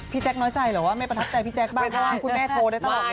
พี่แจ๊คน้อยใจหรอว่าไม่ประทับใจพี่แจ๊คบ้างคุณแม่โทรได้ตลอดเงิน